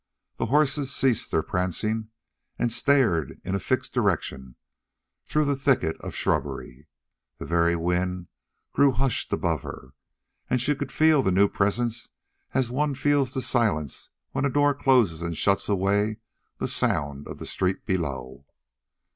The horses ceased their prancing and stared in a fixed direction through the thicket of shrubbery; the very wind grew hushed above her; she could feel the new presence as one feels the silence when a door closes and shuts away the sound of the street below.